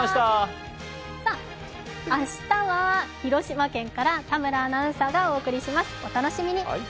明日は広島県から田村アナウンサーがお送りします、お楽しみに。